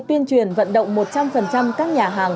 tuyên truyền vận động một trăm linh các nhà hàng